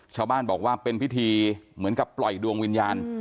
ชาวบ้านบอกว่าเป็นพิธีเหมือนกับปล่อยดวงวิญญาณ